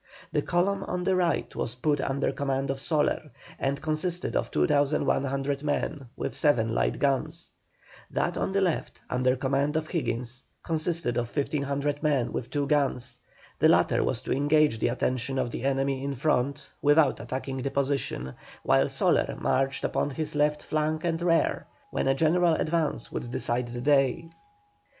The column of the right was put under command of Soler, and consisted of 2,100 men, with seven light guns. That of the left, under command of O'Higgins, consisted of 1,500 men, with two guns. The latter was to engage the attention of the enemy in front, without attacking the position, while Soler marched upon his left flank and rear, when a general advance would decide the day.